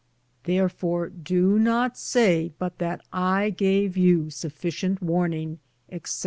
Tharfore do not saye but that I gave yow suffitiente warninge, etc.